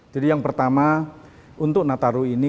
jadi yang pertama untuk nataru ini